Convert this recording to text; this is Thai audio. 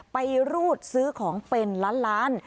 ไปรูดซื้อของเป็นร้าน